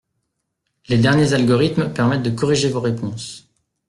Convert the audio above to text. Les derniers algorithmes permettent de corriger vos réponses